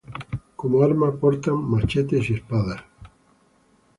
Como armas portan machetes y espadas.